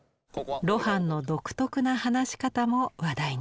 露伴の独特な話し方も話題に。